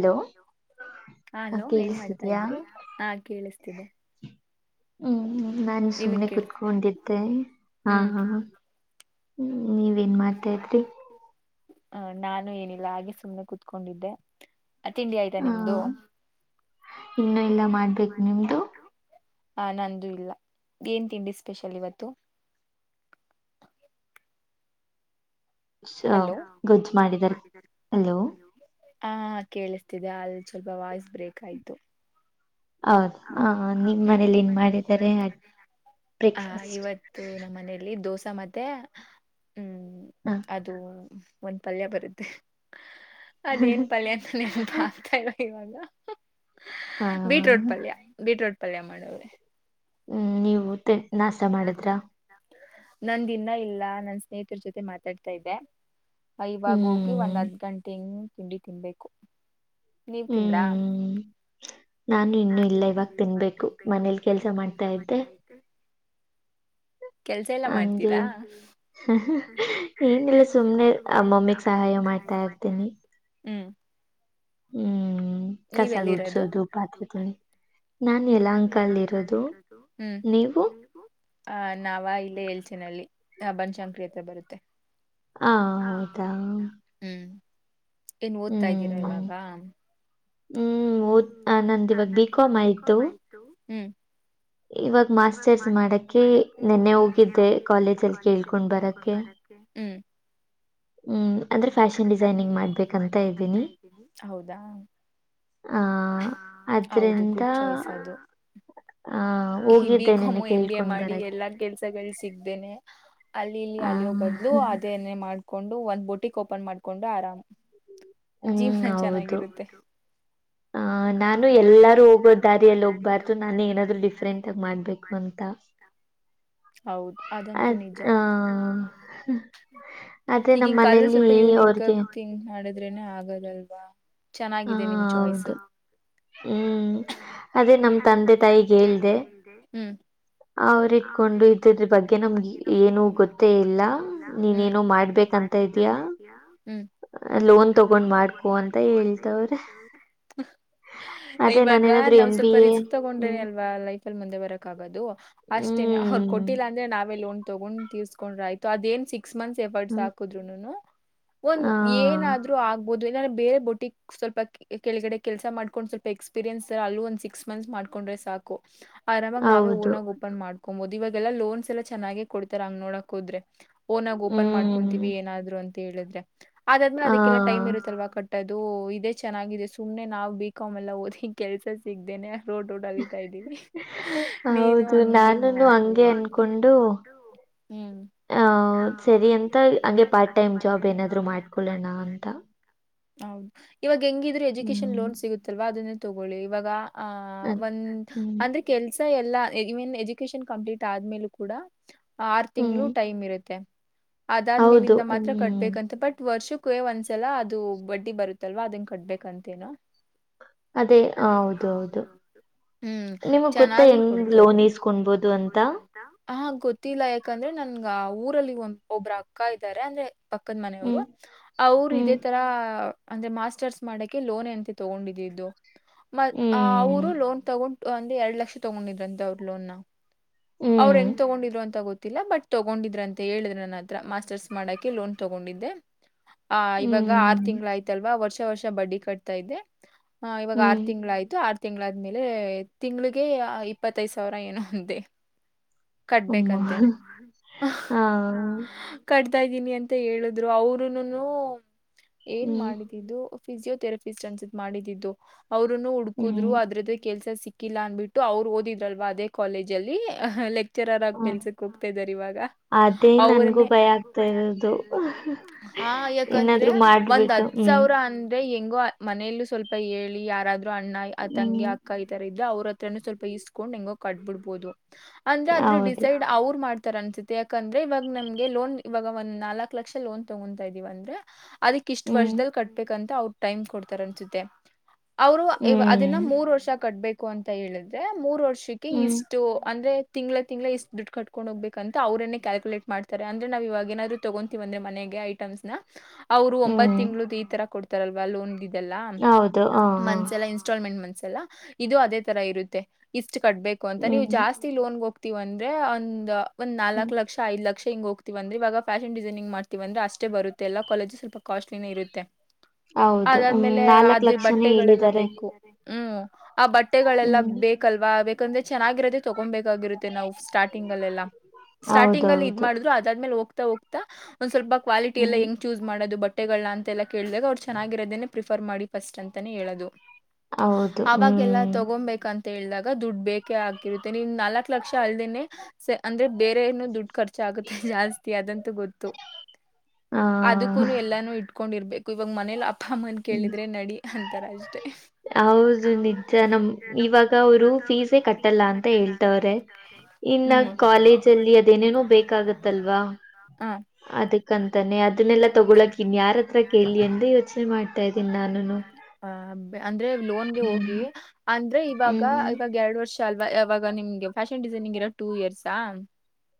Hello. Hello ಏನ್ ಮಾಡ್ತಾ ಕೇಳಿಸಿದ್ಯಾ ಇದ್ರಿ ಹ್ಮ್ಮ್ ಕೇಳಿಸ್ತಿದೆ. ಹ್ಮ್ ನಾನು ನಿಮಗ್ ಸುಮ್ನೆ ಕೇಳಿ ಕುೂತ್ಕೊಂಡಿದ್ದೆ ಹಾ ಹ್ಮ್ ಹಾ. ಹ್ಮ ನೀವ ಏ ನ್ ಮಾಡತಾ ಇದ್ರಿ. ಹ್ಮ್ ನಾನು ಏನಿಲ್ಲ ಹಾಗೆ ಸುಮ್ನೆ ಕುೂತ್ಕೊಂಡಿದ್ದೆ ತಿಂಡಿ ಆಯ್ತಾ ಹ ನಿಮ್ದು. ಇನ್ನು ಇಲ್ಲ ಮಾಡ್ಬೇಕು ನಿಮ್ದು. ಹ ನಂದು ಇಲ್ಲ ಏನ್ ತಿಂಡಿ ಸ್ಪೆಷಲ್ ಇವತ್ತು. ಹಲೋ ಗೊಜ್ಜ್ ಮಾಡಿದ್ದಾರೆ ಅಲೋ. ಹಾ ಕೇಳಿಸ್ತಿದೆ ಅಲ್ಲ್ ಸ್ವಲ್ಪ ವಾಯ್ಸ್ ಬ್ರೇಕ್ ಆಯ್ತು. ಹೌದ ಹ ನಿಮ್ ಮನೇಲಿ ಏನ್ ಮಾಡಿದ್ದಾರೆ. ಹ ಬ್ರೇಕ್ಫಾಸ್ಟ್ ಇವತ್ತು ನಮ್ಮ ಮನೆಯಲ್ಲಿ ದೋಸಾ ಮತ್ತೆ. ಹ್ಮ್ ಹ ಅದು ಒಂದ್ ಪಲ್ಯ ಬರುತ್ತೆ ಅದೇನ್ ಪಲ್ಯ ಅಂತ ನೆನಪಾಗ್ತಾ ಇಲ್ಲ. ಇವಾಗ ಬೀಟ್ರೂಟ್ ಹ ಪಲ್ಯ ಬೀಟ್ರೂಟ್ ಪಲ್ಯ ಮಾಡವ್ರೆ. ಹ್ಮ್ ನೀವು ಮತ್ತೆ ನಾಷ್ಟ ಮಾಡಿದ್ರ. ನಂದ್ ಇನ್ನ ಇಲ್ಲ ನನ್ ಸ್ನೇಹಿತರ ಜೊತೆ ಮಾತಾಡ್ತಾ ಇದ್ದೆ. ಇವಾಗ ಹೋಗಿ ಒಂದ್ ಹ್ಮ್ ಹದ್ ಗಂಟೆ ಹಂಗೆ ತಿಂಡಿ ತಿನ್ಬೇಕು. ನೀವು ತಿಂದ್ರಾ. ಹ್ಮ್ ನಾನು ಇನ್ನು ಇಲ್ಲ ಇವಾಗ ತಿನ್ಬೇಕು ಮನೇಲಿ ಕೆಲ್ಸ ಮಾಡ್ತಾ ಇದ್ದೆ. ಕೆಲ್ಸ ಎಲ್ಲಾ ಮಾಡ್ತೀರಾ. ಏನ್ರೀ ಸುಮ್ನೆ ಆ ಮಮ್ಮಿಗ್ ಸಹಾಯ ಮಾಡ್ತಾ ಇರ್ತೀನಿ. ಹ್ಮ್ ಹ್ಮ್ ಕಸ ಗುಡ್ಸೋದು ಪಾತ್ರೆ ತೊಳಿ ನಾನ್ ನಾನು ಯಲಹಂಕಲ್ಲಿ ಇರೋದು ಯಲಹಂಕದಲ್ಲಿರೋದು ನೀವು ನಾವ ಇಲ್ಲಿ. ಎಲ್ಚೇನ್ ಹಳ್ಳಿ ಬನಶಂಕರಿ ಹತ್ರ ಬರುತ್ತೆ. ಹಾ ಹೌದಾ. ಹ್ಮ್ ಏನ್ ಓದ್ತಾ ಇದ್ದೀರಾ ಹ್ಮ್ ಇವಾಗ. ಹ್ಮ್ ಓದ್ ಹ್ಮ್ ನಂದ ಇವಾಗ ಬಿ ನಂದು ಕಾಮ್ ಬಿಕಾಂ ಆಯ್ತು. [inaudible] ಇವಾಗ ಮಾಸ್ಟರ್ಸ್ ಮಾಡಕ್ಕೆ ನೆನ್ನೆ ಹೋಗಿದ್ದೆ ಕಾಲೇಜ್ ಅಲ್ಲಿ ಕೇಳ್ಕೊಂಡ್ ಬರಕ್ಕೆ. ಹ್ಮ್ ಹ್ಮ್ ಅಂದ್ರೆ ಫ್ಯಾಷನ್ ಡಿಸೈನಿಂಗ್ ಮಾಡ್ಬೇಕಂತ ಇದೀನಿ ಹೌದಾ. ಆ ಹೌದು ಅದ್ರಿಂದ ಗುಡ್ ಚಾಯ್ಸ್ ಅದು. ಆ ಈ ಬಿ ಹೋಗಿದ್ದೆ ಕಾಂ ನೆನ್ನೆ ಎಮ್ ಬಿ ಎ ಕೇಳ್ಕೊಂಡ್ ಮಾಡಿ ಬರಕ್ಕೆ ಎಲ್ಲಾ ಕೆಲ್ಸಗಳು ಸಿಗ್ದೇನೆ. ಅಲ್ಲಿ ಇಲ್ಲಿ ಆ ಅಲಿಯೋ ಬದ್ಲು ಅದೇನೇ ಮಾಡ್ಕೊಂಡು ಒಂದ್ ಬೋಟಿಕ್ ಓಪನ್ ಮಾಡ್ಕೊಂಡು ಆರಾಮ್. ಜೀವನ ಚೆನ್ನಾಗಿರುತ್ತೆ. ಹಾ ಅ ನಾನು ಎಲ್ಲಾರು ಹೋಗೋ ದಾರಿಯಲ್ಲಿ ಹೋಗ್ಬಾರ್ದು ನಾನು ಏನಾದ್ರು ಡಿಫ್ರೆಂಟ್ ಆಗಿ ಮಾಡ್ಬೇಕು ಅಂತ. ಹೌದು ಅದಂತೂ ಅದ್ ನಿಜ. ಆ ಅದೇ ನಮ್ಮ ಈಗಿನ್ ಕಾಲದಲ್ಲಿ ಮನೇಲಿ ಸ್ವಲ್ಪ ಯುನೀಕ್ ಅವ್ರಿಗೆ ಆಗ ತಿಂಗ್ ಮಾಡಿದ್ರೇನೆ ಆಗದಲ್ವಾ ಹ ಚೆನ್ನಾಗಿದೆ ನಿಮ ಹೌದು ಹ್ಮ್ ಅದೇ ನಮ ತಂದೆ ತಾಯಿಗೆ ಹೇಳ್ದೆ. ಹ್ಮ್ ಅವ್ರ ಇದ್ಕೋಂಡು ಇದ್ರುದು ಬಗ್ಗೆ ನಮ್ಗೆ ಏನು ಗೊತ್ತೇ ಇಲ್ಲ ನೀನ್ ಏನೋ ಮಾಡ್ಬೇಕ ಮಾಡ್ಬೇಕಂತ ಇದೆಯ. ಲೋನ್ ತಗೊಂಡ್ ಮಾಡ್ಕೊ ಅಂತ ಹೇಳ್ತವ್ರೆ. ಹ್ಮು ಅದೇ ಇವಾಗ ನಾನೇನಾದ್ರು ನಾವ್ ಎಂ ಬಿ ಸ್ವಲ್ಪ ಎ ರಿಸ್ಕ್ ತಗೊಂಡ್ರೆ ಹ್ಮ್ ಅಲ್ವಾ ಲೈಫ್ ಅಲ್ಲಿ ಮುಂದೆ ಬರಕ್ ಆಗೋದು. ಅಷ್ಟೇನೆ ಅವ್ರು ಹ್ಮ್ ಕೊಟ್ಟಿಲ್ಲ ಅಂದ್ರೆ ನಾವೇ ಲೋನ್ ತಗೊಂಡ್ ತೀರಿಸ್ಕೊಂಡ್ರೆ ಆಯ್ತು ಅದೇನ್ ಸಿಕ್ ಸಿಕ್ಸ್ ಮಂತ್ ಎಫರ್ಟ್ ಹ್ಮ್ ಹಾಕುದ್ರುನು ಒಂದು ಹ ಏನಾದ್ರೂ ಆಗುಬಹುದು.. ಏನಾದ್ರೂ ಬೇರೆ ಬ್ರೂಟಿಕ್ ಸ್ವಲ್ಪ. ಕೆಳಗಡೆ ಕೆಲ್ಸ ಮಾಡ್ಕೊಂಡ್ ಸ್ವಲ್ಪ ಎಕ್ಸ್ಪೀರಿಯನ್ಸ್ರ ಅಲ್ಲೂ ಒಂದ್ ಸಿಕ್ಸ್ ಮಂತ್ಸ್ ಮಾಡ್ಕೊಂಡ್ರೆ ಸಾಕು. ಆರಾಮಾಗಿ ನಾವೇ ಹೌದು ಓನ್ ಆಗಿ ಓಪನ್ ಮಾಡ್ಕೋಬಹುದು ಇವಾಗೆಲ್ಲಾ ಲೋನ್ಸ್ ಎಲ್ಲಾ ಚೆನ್ನಾಗೆ ಕೊಡ್ತಾರೆ ಹಂಗ್ ನೋಡಕ್ ಹೋದ್ರೆ ಚೆನ್ನಾಗಿ ಕೊಡ್ತಾರೆ ನೋಡಕ್ಕೆ ಹೋದ್ರೆ. ಓನ ಆಗಿ ಓಪನ್ ಹ್ಮ್ ಮಾಡ್ಕೊಂತೀವಿ ಏನಾದ್ರು ಅಂತ ಹೇಳಿದ್ರೆ ಅದಾದ್ಮೆ ಅದಕ್ಕೆಲ್ಲ ಟೈಮ್ ಹ ಇರುತ್ತಲ್ವಾ ಕಟ್ಟು ಟ್ ಅದು ಇದೇ ಚೆನ್ನಾಗಿದೆ ಸುಮ್ನೆ ನಾವು ಬಿ ಕಾಮ್ ಎಲ್ಲ ಓದಿ ಕೆಲಸ ಸಿಗ್ದೇನೆ. ರೋಡ್ ರೋಡ್ ಅಲಿತಾ ಇದ್ದೀವಿ ನೀನು ಹೌದು ಹಂಗೆ ನಾನುನು ಹಂಗೆ ಮಾಡ್ಕೊಬೇಡಿ. ಹ್ಮ್ ಅ ಸರಿ ಅಂತ ಹಂಗೆ ಪಾರ್ಟ್ ಟೈಮ್ ಜಾಬ್ ಏನಾದ್ರು ಮಾಡ್ಕೊಳ್ಳೋಣ ಅಂತ. ಹೌದು ಇವಾಗ ಹೆಂಗಿದ್ರರು ಎಜುಕೇಶನ್ ಹ್ಮ್ ಲೋನ್ ಸಿಗುತ್ತಲ್ವಾ ಅದನ್ನೇ ತಗೊಳ್ಳಿ ಇವಾಗ ಆ ಅದ್ ಒಂದ್ ಹ್ಮ್ ಅಂದ್ರೆ ಕೆಲ್ಸ ಎಲ್ಲ ಇನ್ ಎಜುಕೇಶನ್ ಕಂಪ್ಲೀಟ್ ಆದ್ಮೇಲ ಕೂಡ ಆರು ಹ್ಮ್ ತಿಂಗಳು ಟೈಮ್ ಇರುತ್ತೆ ಹೌದು ಅದಾದ್ಮೇಲಿಂದ ಮಾತ್ರ ಹ್ಮ್ ಕಟ್ಬೇಕಂತ ಬಟ್ ವರ್ಷಕ್ಕೂ ಒಂದ್ಸಲ ಅದು ಬಡ್ಡಿ ಬರುತ್ತೆ ಲ್ವಾ ಅದಂಗ ಕಟ್ಬೇಕಂತೇನ ಅದೇ ಆ, ಹೌದು ಹೌದು ಹ್ಮ್ ನಿಮಗ್ ಗೊತ್ತಾ ಚೆನ್ನಾಗಿ ಹೆಂಗ್ ಕೊಡ್ತಾರೆ ಲೋನ್ ಇಸ್ಕೊಬೋದು ಅಂತ ಹ ಗೊತ್ತಿಲ್ಲ ಯಾಕಂದ್ರೆ ನನ್ಗ ಊರಲ್ಲಿ ಒ ಒಬ್್ರ ಅಕ್ಕ ಇದ್ದಾರೆ ಅಂದ್ರೆ ಪಕ್ಕದ ಮನೆಯವ್ರು ಹ್ಮ್ ಅವರು ಇದೇ ಹ್ಮ್ ತರ ಅಂದ್ರೆ ಮಾಸ್ಟರ್ಸ್ ಮಾಡಕೆ ಲೋನ್ ಎಂತ ತಗೊಂಡಿದ್ದಿದ್ದು ಹ್ಮ್ ಅವರು ಲೋನ್ ತಗೊಂಡ ಒಂದ ಎರಡು ಲಕ್ಷ ತಗೊಂಡಿದ್ರಂತೆ ಅವ್ರ ಲೋನ್ ನ ಅವ್ರು ಹ್ಮ್ ಹೆಂಗ್ ತಗೊಂಡಿದ್ರು ಅಂತ ಗೊತ್ತ ಬಟ್ ತಗೊಂಡಿದ್ರ ಅಂತ ಹೇಳಿದ್ರೆ ನನ್ನ ಹತ್ರ ಮಾಸ್ಟರ್ಸ್ ಮಾಡಕೆ ಲೋನ್ ತಗೊಂಡಿದ್ದೆ ಆ ಇವಾಗ ಆರು ಹ್ಮ್ ತಿಂಗಳಾಯ್ತು ವರ್ಷ ವರ್ಷ ಬಡ್ಡಿ ಕಟ್ತಾ ಇದೆ ಇವಾಗ ಆರು ಹ್ಮ್ ತಿಂಗಳು ಆಾಯ್ತು ಆ ತಿಂಗಳಾದ್ಮೇಲೆ ತಿಂಗಳಿಗೆ ಇಪ್ಪತ್ತೈದ್ ಸಾವಿರ ಏನೋ ಅಂದೆ ಅಮ್ಮ ಕಟ್ಬೇಕಂತೆ ಹಾ ಕಟ್ ತ ಇದ್ದೀನಿ ಅಂತ ಹೇಳಿದ್ರು ಅವರುನು ಏನ್ ಹ್ಮ್ ಮಾಡ ಫಿಸಿಯೋಥೆರಪಿಸ್ಟ್ ಅನ್ಸ ಮಾಡಿದ್ದು ಅವ್ರರುನು ಹುಡುಕುದ್ರು ಹ್ಮ್ ಅದ್ರದ ಕೆಲ್ಸ ಸಿಕ್ಕಿಲ್ಲ ಅಂದ್ಬಿಟ್ಟು ಅವ್ರು ಓದಿದ್ರಲ್ವ ಅದೇ ಕಾಲೇಜ ಅಲ್ಲಿಲೆಕ್ ಎಚರರಾಗಿ ಹ ಕೆಲ್ಸಕ್ ಹೋಗ್ತಾ ಇದಾರೆ ಇವಾಗ ಅದೇ ಅವ್ರನ್ನೇ ನನ್ಗೂ ಆಗ್ತಾ ಭಯ ಇರೋದು ಆಗ್ತದು ಹಾ ಯಾಕಂದ್ರೆ ಏನಾದ್ರು ಒಂದ್ ಮಾಡ್ಬಿಟ್ಟು ಹತ್ ಹ್ಮ್ ಸಾವಿರ ಅಂದ್ರೆ ಹೆಂಗೋ ಮನೆಯಲ್ಲೂ ಸ್ವಲ್ಪ ಹೇಳಿ ಯಾರಾದರು ಅಣ್ಣ ಆ ಹ್ಮ್ ತಂಗಿ ಅಕ್ಕ ಈ ತರ ಇದ್ದ ಅವ್ರ ಹತ್ರನ್ನು ಸ್ವಲ್ಪ ಇಸ್ಕೊಂಡ್ ಹೆಂಗ ಕಟ್ಬಿಡ್ಬೋದು ಅಂದ್ರೆ ಆದದ್ರ ಹೌದು ಡಿಸೈಡ್ ಅವರು ಮಾಡ್ತ ತರ ಅನ್ಸತಿ ಯಾಕಂದ್ರೆ ಇವಾಗ ನಮ್ಗೆ ಲೋನ್ ಇವಾಗ ಒಂದ್ ನಾಲ್ಕಕ್ ಲಕ್ಷ ಲೋನ್ ತಗೊತಾ ಇದ್ದಿವವ ಅಂದ್ರೆ ಅದಕ್ ಇಷ್ಟ ಹ್ಮ್ ವರ್ಷದಲ್ಲಿ ಕಟ್ಬೇಕಂತ ಅವ್ರ ಟೈಮ್ ಕೊಡ್ತಾರ ಅನ್ಸುತ್ತೆ ಅವರು ಅದನ್ನ ಹ್ಮ್ ಮೂರ್ ವರ್ಷ ಕಟ್ಬೇಕು ಅಂತ ಹೇಳಿದ್ರೆ ಮೂರ್ ವರ್ಷ ಷ ಹ್ಮ್ ಇಷ್ಟು ಅಂದ್ರೆ ತಿಂಗಳ ತಿಂಗಳ ಎಷ್ಟು ದುಡ್ಡು ಕಕೊಂಡ ಹೋಗ್ಬೇಕ ಅಂತ ಅವರನ್ನೇ ಕ್ಯಾಲ್ಕುೇಟ್್ಾರೆ ಅಂದ್ರೆ ನಾವವುವಾಗ ಏಾದರು ತಗೊಂತೀವ ಅಂದ್ರ ಮಗೆ ಗೆ ಐಟಮ್ಸ್ ನ ಅವರು ಒಂಬತ್ ಹ್ಮ್ ತಿಂಳ ಈ ತರ ಕೊಡ್ತಾರಲ್ವಾ ಲೋನ್ದೆಲ್ಲ ಹೌದು ಹ ಹ ಮನ್ಸ ಎಲ್ಲ ಇನ್ಸ್ಟಾಲ್ಮೆಂಟ್ ಮ ಇದು ಅದೇ ತರ ಇರುತ್ತೆ ಇಷ್ಟ ಕಟ್ಬೇಕು ಅಂತ ನೀವು ಹ್ಮ್ ಜಾಸ್ತಿ ಲೋನ್ಗೆ ಹೋಗ್ ವ ಅಂದ್ರೆ ಒಂದ್ ಒಂದ್ ಹ್ಮ್ ನಾಲ್ಕಕ್ ಲಕ್ಷ ಐ್ ಲಕ್ಷ ಹಂ ಹೋಗ್ವಂದ್ರೆವಾಗ ಫ್ಯಾನ್ ಿಸೈನಿಂಗ್ೀ ಅ್ರ ಅಷ್ಟೇ ಬರುತ್ತ ಎಲ್ಲ ಕಾಲಜು ಸ್ಲ್ಪ ಕಾಸ್ಟ್ಲಿಿನೇ ಇತ್ತೆ ಹೌದು ಹ್ಮ್ ಅದಾದ್ಮೇಲೆ ನಾಲ್ಕ್ ಅದ್ರ ಲಕ್ಷನೇ ಬಟ್ಟೆಗಳೆಲ್ಲ ಹೇಳಿದ್ದಾರೆ ಬೇಕು ಹ್ಮ್ ಆ ಬಟ್ಟೆಗಳೆಲ್ಲಾ ಹ್ಮ್ ಬೇಕಲ್ವಾ ಬೇಕಂದ್ರೆ ಚೆನ್ನಾಗಿರೋದೆ ತಗೊಬೇಕ ತ್ತ ನಾವು ಸ್ಟಾರ್ಟಿಂಗ್ ಅಲ್ಲ ಸಾರ್ಟಿಂಗ ಅಲ್ಲಿ ಇದ್ ಹೌದೌದು ಮಾಡ್ ಅದಾದ್ಮೇಲೆ ಹ್ ಹೋಗ್ತಾಂದ್ ಸ್ವಲ್ಪ ಕ್ವಾಲಿಟಿ ಎಲ್ಲ ಹ್ಮ್ ಹೆಂಗ ಚೂಸ್ ಮಾಡೋದು ಬಟ್ಟೆಗಳನ್ನ ಅಂತೆ ಎಲ್ಲ ಕೇಳಿದಾಗ ಅವ್ರು ಚೆನ್ನಾಗಿರೋದೇನೆ ಪ್ರಿಫರ್ ಮಾಡಿ ಫಸ್ಟ್ ಅಂತಾನೇ ಹೇಳೋದು ಹೌದು ಅವಾಗೆಲ್ಲಾ ಹ್ಮ್ ತಗೊಬೇಕಂತ ಹೇಳ್ದಾಗ ದುಡ್ಡು ಬೇಕ ಹ ಆಗಿರುತ್ತೆ ನೀಮ್ ನಾಲ್ಕಕ್ ಲಕ್ಷ ಅಲ್ದೇನೆ ಅಂದ್ರೆ ಬೇರೆ ಏನು ದುಡ್ಡು ಖರ್ಚ ಆಗುತ್ತೆ ಜಾಸ್ತಿ ಅದಂತೂ ಗೊತ್ತು ಹಾ ಅದಕ್ಕೂ ಎಲ್ಲಾನು ಇಟ್ಕೊಂಡಿರ್ಬೇಕು ಇವಾಗ ಮನೇಲಿ ಅಪ್ಪ ಅಮ್ಮನ್ ಹ್ಮ್ ಕೇಳಿದ್ರೆ ನಡಿ ಅಂತಾರ ಅಷ್ಟೆ ಹೌದು ನಿಜ ನಮ ಇವಾಗ ಅವರು ಫೀಸೇ ಕಟ್ಟಲ್ಲ ಅಂತ ಹೇಳ್ತವ್ರೆ ಇನ್ನ ಹ್ಮ್ ಕಾಲೇಜ ಅಲ್ಲಿ ಅದೇನೇನೋ ಬೇಕಾಗತ್ತಲ್ವಾ ಹ ಆ ಅದಕ್ಕಂತಾನೆ ಅದನ್ನೆಲ್ಲಾ ತಗೊಳಕೀನಿ ಯಾರತ್ರ ಎಲ್ಲಿ ಅಂತ ಯೋಚನೆ ಮಾಡ್ತಾ ಇದ್ದೀನಿ ನಾನು ಹ ಅಂದ್ರೆ ಲೋನ್ಗೆ ಹೋಗಿ ಹ್ಮ್ ಅಂದ್ರೆ ಇವಾಗ ಹ್ಮ್ ಇವಾಗ ಎರಡ್ ವರ್ಷ ಅಲ್ವಾ ಅವವಾಗ ನಿಮ್ಗೆ ಫ್ಯಾಷನ್ ಡಿಸೈನಿಂಗ್ ಇರೋ ಟೂ ಇಯರ್ಸ್ಾ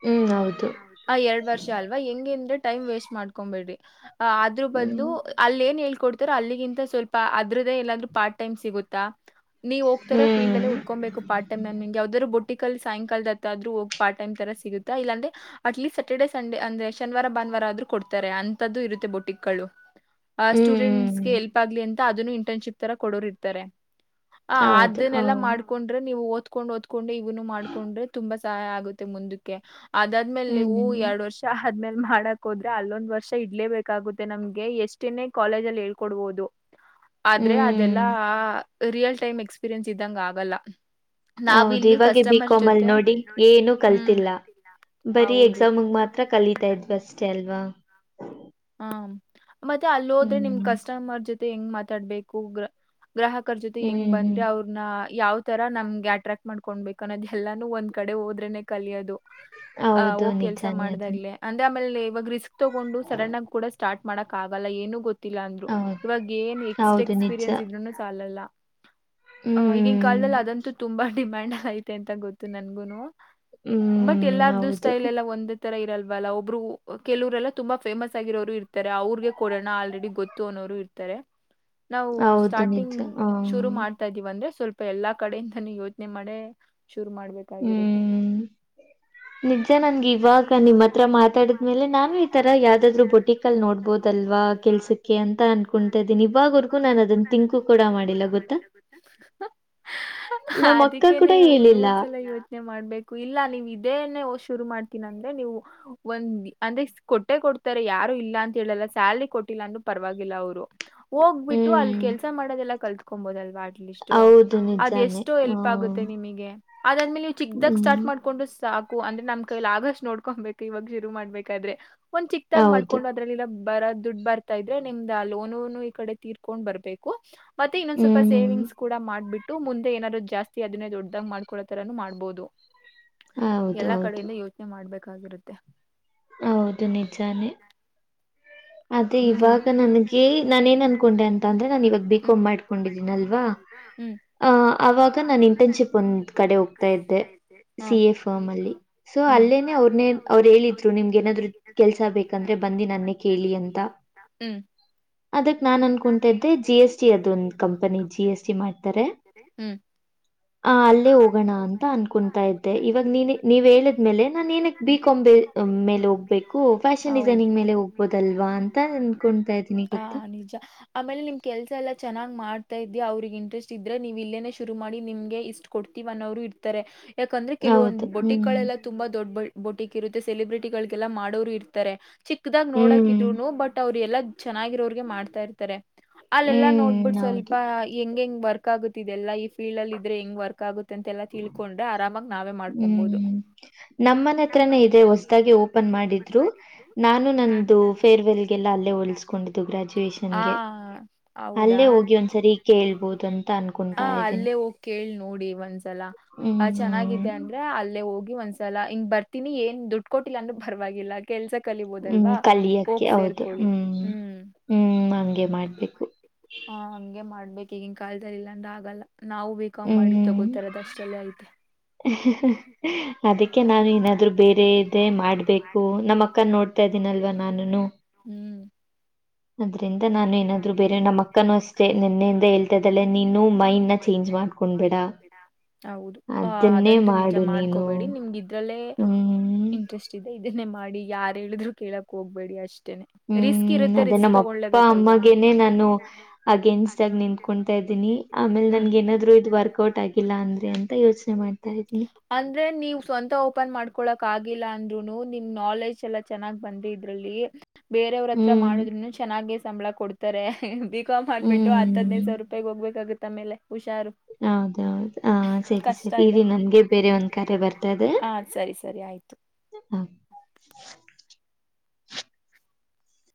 ಹ್ಮ್ ಹೌದು ಆ ಎರಡ್ ವರ್ಷ ಅಲ್ವಾ ಹೆಂಗಂದ್ರೆ ಟೈಮ್ ವೇಸ್ಟ್ ಮಾಡ್ಕೊಬೇಡ್ರಿ ಅ ಅದ್ರ ಬದ್ಲು ಹ್ಮ್ ಅಲ್ಲ ಏನ್ ಹ ಕೊಡ್ತ ಅಲ್ಲಿಗಿಂತ ಸ್ವಲ್ಪ ಅದ್ರದ್ದ ಎಲ್ಲಾದ್ರೂ ಪಾರ್ಟ್ ಟಮ್ ಸಿಗುತ್ತಾ ನೀವು ಹೋಗ್ತರ ಫೀಲ್ಡ್ ಹ್ಮ್ ಅಲ್ಲಿ ಉಡ್ಕೊಬೇಕು ಪಾರ್ಟ ಟಮ್ ನಗೆ ಯಾವ್ದ್ರುಟ್ಟು ಲ್ ಸಾಯಂಕಾಲದತ್ತ್ರೂ ಹೋಗ ಪ್ಟ್ ಟಮ್ ತರ ಸಿಗುತ್ತೆ ಇಲ್ಲಾಂದ್ರೆ ಅಟ್ಲೀಸ್ಟ್ ಸಟರ್ಡೆೇ ಸಂಡೇ ಅಂದ್ರೆ ಶನಿವಾರ ಭಾನುವಾರ ಆದ್ರೂ ಕೊಡ್ತಾರೆ ಅಂತದ್ದು ಇರುತ್ತೆ ಬೋಟಿಕ್ಗಳು ಅ ಹ್ಮ್ ಸ್ಟೂಡೆಂಟ್ಸ್ಗೆ ಎಲ್ಪ್ ಆಗ್ಲಿ ಅಂತ ಅದನ್ನು ಇಂಟರ್ನ್ಶಿಪ್ ತರ ಕೊಡೋರಿ ಇರ್ತಾರೆ ಆ ಹೌದು ಹ ಅದನ್ನೆಲ್ಲಾ ಮಾಡ್ಕೊಂಡ್ರಿ ನೀವು ಓದ್ಕೊಂಡ್ ಓದ್ಕೊಂಡ್ ಇವ್ನು ಮಾಡ್ಕೊಂಡ್ರಿ ತುಂಬಾ ಸಹಾಯ ಆಗುತ್ತೆ ಮುಂದಕ್ಕೆ ಅದಾದ್ಮೇಲೆ ನೀವು ಹ್ಮ್ ಎರಡ್ ವರ್ಷ ಆದದ್ಮೇಲ್ ಮಾಡಕ್ ಹೋದ್ರೆ ಅಲ್ಲೊಂದ್ ವರ್ಷ ಇಡ್ಲೇಬೇಕಾಗುತ್ತೆ ನಮ್ಗೆ ಎಷ್ಟನೇ ಕಾಲೇಜ ಅಲ್ಲಿ ಹೇಳ್ಕೊಡ್ಬೋದು ಆದ್ರೆ ಹ್ಮ್ ಅದೆಲ್ಲಾ ರಿಯಲ್ ಟೈಮ್ ಎಕ್ಸ್ಪೀರಿಯನ್ಸ್ ಇದ್ದಂಗ ಆಗಲ್ಲ ಹೌದು ನಾವಿಲ್ಲಿ ಇವಾಗ ಕಸ್ಟಮರ್ ಬಿಕೋಮಲ್ ಜೊತೆ ನೋಡಿ ಏನು ಹ್ಮ್. ಕಲ್ತಿಲ್ಲ ಬರೀ ಹೌದು. ಎಕ್ಸಾಮ್ಗ್ ಮಾತ್ರ ಕಲತಾ ಇದ್ವಿ ಅಷ್ಟೇ ಅಲ್ವಾ ಹ ಮತ್ತೆ ಅಲ್ಲಿ ಹೋದ್ರೆ ನಿಮ್ ಹ್ಮ್ ಕಸ್ಟಮರ್ ಜೊತೆ ಹೆಂಗ್ ಮಾತಾಡ್ಬೇಕು ಗ್ರಾಹಕರ ಜೊತೆ ಹೆಂಗ್ ಹ್ಮ್ ಹ್ಮ್ ಬಂದ್ರೆ ಅವ್ರನ್ನ ಯಾವ್ ತರ ನಮ್ಗೆ ಅಟ್ರಾಕ್ಟ್ ಮಾಡ್ಕೊಬೇಕು ಅನ್ನೋದು ಎಲ್ಲಾನು ಒಂದ್ ಕಡೆ ಹೋದ್ರೆನೆ ಕಲಿಯೋದು ಆ ಹೌದು ಹ ಕೆಲ್ಸ ನಿಜಾನೇ ಮಾಡಿದಾಗ್ ಅದನ್ನ ಅಂದ್ರೆ ಆಲೆ ಇವಾಗ ರಿಸ್ಕ್ ತಗೊಂಡು ಸಡನ್ ಆಗಿ ಕೂಡ ಸ್ಟಾರ್ಟ ಮಾಡಕ್ ಆಗಲ್ಲ ಏನು ಗೊತ್ತ ಗೊಲ್ಲ ಅಂದ್ರು ಹೌದು ಇವಾಗ ಏನ್ ಎಕ್ಸ್ಟ್ ಹೌದು ನಿಜ ಎಕ್ಸ್ಪೀರಿಯನ್ಸ್ ಇದ್ರುನು ಸಾಲಲ್ಲಾ ಆ ಈಗಿನ ಹ್ಮ್ ಕಾಲದಲ್ಲಿ ಅದಂತೂ ತುಂಬಾ ಡಿಮ್ಯಾಂಡ್ ಐತೆ ಅಂತ ಗೊತ್ತು ನನ್ಗುನು ಬಟ್ ಹ್ಮ್ ಎಲ್ಲಾರ್ದು ಹೌದು ಸ್ಟೈಲ್ ಎಲ್ಲ ಒಂದೇ ತರ ಇರಲ್ವಲ್ಲ ಒಬ್ರು ಕೆಲವರೆಲ್ಲ ತುಂಬಾ ಫೇಮಸ್ ಆಗಿರೋರು ಇರ್ತಾರೆ ಅವ್ರಗೆ ಕೊಡೋಣ ಆಲ್ರೆಡಿ ಗೊತ್ತು ಅನ್ನೋರು ಇರ್ತಾರೆ ನಾವು ಹೌದು ನಿಜ ಸ್ಟಾರ್ಟಿಂಗ್ ಹ ಶುರು ಮಾಡ್ತಾ ಇದೀವಂದ್ರೆ ಸ್ವಲ್ಪ ಎಲ್ಲಾ ಕಡೆಯಿಂದ ನೀ ಯೋಚನೆ ಮಾಡೇ ಶುರು ಮಾಡ್ಬೇಕಾಗಿರುತ್ತೆ ಹ್ಮ್ ನಿಜ ನನ್ಗೆ ಇವಾಗ ನಿಮ್ಮ್ ಹತ್ರ ಮಾತಾಡಿದ್ಮೇಲೆ ನಾನು ಈ ತರ ಯಾವ ಯಾವವುದಾದ್ರು ಬಟಿಕ್ ಅಲ್ಲಿ ನೋಡ್ಬೋದ ಅಲ್ವಾ ಕೆಲ್ಸಕ್ಕೆ ಅಂತ ಅನ್ಕೊತಾ ಇದೀನಿ ಇವಾಗವರ್ಗು ನಾನು ಅದನ್ನ ತಿಂಕು ಕೆಂಕು ಕೂಡ ಮಾಡಿಲ್ಲ ಗೊತ್ತಾ ನಮ್ಮ ಅಕ್ಕ ಕೂಡ ಅದಕ್ಕೇನೆ ಹೇಳಿಲ್ಲ ಮೂರ್ ಸಲ ಯೋಚನೆ ಮಾಡ್ಬೇಕು ಇಲ್ಲ ನೀವ್ ಇದೇೇಷ ಶುರು ಮಾಡ್ತೀನಿ ಅಂದ್ರೆ ನೀವು ಒಂದ ಅಂದ್ರೆ ಕೊಟ್ಟೆ ಕೊ ರ ಯಾರು ಇಲ್ಲ ಅಂತ ಹೇಳಲ್ಲ ಸ್ಯಲ್ರಿ ಕೊಟ್ಟಿಲ್ಲ ಅನ್ನೂ ಪರವಾಗಿಲ್ಲ ಅವ್ರು ಹೋಗ್ಬಿಟ್ಟು ಅಲ್ ಹ್ಮ್ ಕೆಲ್ಸ ಮಾಡೋದೆಲ್ಲಾ ಕಲ್ತ್ಕೊಬೋದಲ್ವಾ ಹೌದು ಅದ ನಿಜಾನೇ ಎಷ್ಟು ಹ ಎಲ್ಪ್ ಆಗುತ್ತೆ ನಿಮಗೆ ಅದಾದ್ಮೇಲೆ ನೀವು ಚಿಕ್ದಾಗ ಹ್ಮ್ ಸ್ಟಾರ್ಟ್ ಮಾಡ್ಕೊಂಡು ಸಾಕು ಅಂದ್ರೆ ನಮ್ ಕೈಲಿ ಆಗಷ್ಟು ನೋಡ್ಕೊಬೇಕು ಇವಾಗ ಶುರು ಮಾಡ್ಬೇಕಾದ್ರೆ ಒ ಹೌದು ಮಾಡ್ಕೊಂಡು ಅದ್ರಲ್ಲಿಲ್ಲ ಬರ ದುಡ್ ಬರ್ತಾ ಇದ್ರೆ ನಿಮ್ದ ಲೋನುನು ಈ ಕಡೆ ತೀರ್ಕೊಂಡ್ ಬರ್ಬೇಕು ಮತ್ತೆನ್ನೊಂದ ಸ್ವಲ್ಪ ಹ್ಮ್ ಸೇವಿಂಗ್ ಕೂಡ ಮಾಡಬಟ್ಟು ಮುಂದೆಏನಾದರು ಜಾಸ್ತಿದೇ ದೊಡ್ಡದ್ ಮಾಡ್ತರೂ ಮಾಡ್ಬ ಬಹದು ಹೌದು ಎಲ್ಲಾ ಹೌದು ಕಡೆಯಿಂದ ಯೋಚನೆ ಮಾಡ್ಬೇಕಾಗಿರುತ್ತೆ ಹೌದು ನಿಜಾನೇ ಅದೇ ಇವಾಗ ನನ್ಗೆ ನಾನ ಏನ್ ಅನ್ಕೊಂಡೆ ಅಂತ ಅಂದ್ರೆ ನಾನನ್ ಇವಾಗ ಬೇಕೊ ಮಾಡ್ಕೊಂಡಿದೀನಿಲ್ವಾ ಆ ಅವಾಗ ನಾನು ಇಂಟರ್ನ್ಶಿಪ್ ಒಂದ್ ಕಡೆ ಹೋಗ್ತಾ ಇದ್ದೆ ಸಿ ಹ್ಮ್ ಎ ಫಾರ್ಮ್ ಅಲ್ಲಿ ಸೊ ಹ್ಮ್ ಅಲ್ಲೇನನೆ ಅವ್ರನೇ ಅವ್ರು ಹೇಳಿದ್ರು ನಿಮ್ಗೆ ಏನಾದ್ರು ಕೆಲಸ ಬೇಕಂದ್ರೆ ಬಂದು ನನ್ನೇ ಕೇಳಿ ಅಂತ ಹ್ಮ ಅದಕ್ ನಾನ್ ಅನ್ಕೊಂತ್ದೆ ಜಿ ಎಸ್ ಟಿ ಅದೊಂದು ಕಂಪನಿ ಜಿ ಎಸ್ ಟಿ ಮಾಡ್ತಾರೆ ಹ ಅಲ್ಲೇ ಹೋಗೋಣ ಅಂತ ಅನ್ಕೊತಾ ಇದ್ದೆ ಇವಾಗ ನೀನ್ ನೀವ್ ಹೇಳಿದ್ಮೇಲೆ ನಾನ್ ಏನಕ್ ಬೀಕೊ ಮೇಲೆ ಹೋಗ್ಬೇಕುಫ್ಯಾಷನ್ ಡಿಸೈನಿಂಗ್ ಮೇಲೆ ಹೋಗ್ಬೇಕು ಹ ಗೊತ್ತಾ ನಿಜ ಆಮೇಲೆ ನಿಮ್ ಕೆಲ್ಸ ಎಲ್ಲಾ ಚೆನ್ನ ಮಾಡ್ತಾ ಇದಿ ಅವ್ರಗ್ ಇಂಟ್ರೆಸ್ಟ್ ಇದ್ರೆ ನೀವು ಇಲ್ಲೇನೆ ಶುರು ಮಾಡಿ ನಿಮ್ಗೆ ಇಷ್ಟ್ ಕೊಡ್ತೀವ ಅನ್ನೋರು ಇರ್ತಾರೆ ಯಾಕಂದ್ರೆ ಕೆಲವೊಂದು ಹೌದು. ಹ್ಮ್. ಬಟಿಕ್ಗಳೆಲ್ಲ ತುಂಬಾ ದೊಡ್ಡ ಬೋಟಿಕ್ ಇರುತ್ತೆ ಸೆಲೆಬ್ರಿಟಿಗಳಿಗೆಲ್ಲ ಮಾಡೋರು ಇರ್ತಾರೆ ಚಿಕ್ಕದಾಗ್ ಹ್ಮ್. ನೋಡಾಕಿದ್ರುನು ಬಟ್ ಅವ್ರ ಎಲ್ಲ ಚೆನ್ನಾಗಿರೋಗೆ ಮಾಡ್ತಾ ಇರ್ತಾರೆ ಅಲ್ಲೆಲ್ಲಾ ಹ್ಮ್. ನೋಡ್ಬಿಟ್ಟ ಸ್ವಲ್ಪ ಹೌದು. ಹೆಂಗಂಗ ವರ್ಕ್ ಆಗುತ್ತಿದೆ ಎಲ್ಲ ಇಫ್ ಫೀಲ್ ಅಲ್ ಇದ್ರೆ ಹೆಂಗ್ ವರ್ಕ್ ಆಗುತ್ತ ಅಂತೆ ಎಲ್ಲಾ ತಿಳ್ಕೊಂಡ್ರೆ ಆರಾಮಾಗ ನಾವೇ ಮಾಡ್ಕೊಬಹುದು ನಮ್ಮನ ಹತ್ರನೇ ಇದೇ ಹೊಸದಾಗಿ ಓಪನ್ ಮಾಡಿದ್ರು ನಾನು ಹ್ಮ್ ನಂದು ಫೇರ್ವೆಲ್ಗೆಲ್ಲ ಅಲ್ಲೇ ಹೊಳಿಸಕೊಂಡಿದ್ದು ಹ ಗ್ರಾಜುಯೇಷನ್ಗೆ ಹೌದಾ ಅಲ್ಲೇ ಹೋಗಿ ಒಂದ್ಸರಿ ಈ ಕೇಳ್ಬೋದು ಅಂತ ಅನ್ಕೊತಾ ಇದ್ದೀನಿ ಕೇಳಳ್ ನೋಡಿ ಒಂದ್ಸಲ ಹ್ಮ್. ಚೆನ್ನಾಗಿದೆ ಅಂದ್ರೆ ಅಲ್ಲೇ ಹೋಗಿ ಒಂದ್ಸಲ ಹಿಂಗ್ ಬರ್ತೀನಿ ಏನ್ ದುಡ್ಡು ಕೊಟ್ಟಿಲ್ಲ ಅಂದ್ರರು ಪರವಾಗಿಲ್ಲ ಕೆಲ್ಸ ಹ್ಮ್. ಕಲಿಬೋದಲ್ವಾ ಕಲಿಯಕ್ಕೆ ಹೋಗ್ ಹೌದು ಸೇರ್ಕೊಳ್ಳಿ ಹ್ಮ್ ಹ್ಮ್ ಹಂಗೆ ಮಾಡ್ಬೇಕು ಮಾಡ್ಬೇಕ ಈಗಿಿನ ಕಾಲದಲ್ಲಿ ಇಲ್ಲಾಂದ್ರೆ ಆಗಲ್ಲ ನಾವು ಬೇಕ್ ಮಾಡಿ ಹ್ಮ್. ತಗೋತಾರ ಅದ ಅಷ್ಟಲ್ಲೇ ಐತೆ ಅದಕ್ಕೆ ನಾನು ಏನಾದ್ರು ಬೇರೆದೆೇ ಮಾಡ್ಬೇಕು ನಮ್ಮ ಅಕ್ಕ ನೋಡ್ತೇನೆ ದಿನಲ್ವಾ ನಾನುನು ಹ್ಮ್ ಅದ್ರಿಂದ ನಾನು ಏನಾದ್ರು ಬೇರೆ ನಮ್ಮ ಅಕ್ಕನು ಅಷ್ಟೇ ನಿನ್ನೆಯಿಂದ ಹೇಳ್ತಾ ಇದ್ದಲ್ಲೆ ನೀನು ಮೈಂಡ್ ನ ಚೇಂಜ್ ಮಾಡ್ಕೊಂಡ್ಬೇಡ ಹೌದು ಹ ಅದನ್ನೇ ಅದಂತೂ ನಿಜ ಮಾಡು ನೀನು ಮಾಡ್ಕೋಬೇಡಿ ನಿಮ್ಗ ಇದ್ರಲ್ಲೇ ಹ್ಮ್ ಇಂಟ್ರೆಸ್ಟ್ ಇದೆ ಇದನ್ನೇ ಮಾಡಿ ಯಾರ ಹೇಳಿದ್ರು ಕೇಳಕ್ ಹೋಗ್ಬೇಡಿ ಅಷ್ಟ ಹ್ಮ್ ಅದೇ ನಮ್ಮ ಅಪ್ಪ ತಗೊಳ್ಲೇಬೇಕಲ್ವಾ ಅಮ್ಮಾಗನೆೇ ನಾನು ಅಗೇನ್ಸ್ಟ್ ಆಗ ನಿಂತ್ಕೊತಾ ಇದ ಿ ಆಮೇಲೆ ಹ್ಮ್ ನನ್ಗೆ ಏನಾದ್ರು ಇದು ವರ್ಕ್ೌಟ್ ಆಗಿಲ್ಲ ಅಂದ್ರೆ ಅಂತ ಯೋಚನೆ ಮಾಡ್ತಾ ಇದ್ದೀನಿ ನೀ ಸ್ವಂತ ಓಪನ್ ಮಾಡ್ಕೊಳಕ್ ಆಗಿಲ್ಲ ಅಂದ್ರುನು ನಿಮ್ ನಾಲೆಜ್ ಎಲ್ಲ ಚೆನ್ನಾಗ್ ಬಂದ ಇದ್ರಲ್ಲಿ ಬೇರೆಯವ್ರ ಹತ್ರ ಹ್ಮ್ ಮಾಡುದ್ೂನು ಚೆನ್ನಾಗೆ ಸಂಬಳ ಕೊಡ್ತಾರೆ ಕ್ ಹಕ್ಬಟ್ಟ ಹದೈದು ಹ್ಮ್ ಸಾವಿರ ರೂಪಾಯಗ್ ಹೋಗ್ಬೇಕಾಗುತ್ತತ್ತ ಆಮೇಲೆ ಹುಷು ಹೌದೌದು ಹ ಸರಿ ಸರಿ ಇದೆ ಇಲ್ಲಿ ನನ್ಗೆ ಬೇರೆ ಒಂದ್ ಕ್ಯ ಬರ್ತದೆ ಹ ಸರಿ ಸರಿ ಆಯ್ತು ಹ್ಮ